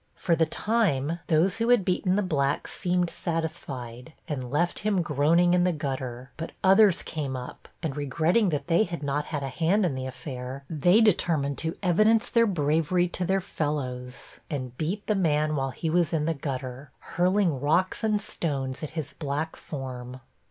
For the time those who had beaten the black seemed satisfied and left him groaning in the gutter, but others came up, and, regretting that they had not had a hand in the affair, they determined to evidence their bravery to their fellows and beat the man while he was in the gutter, hurling rocks and stones at his black form.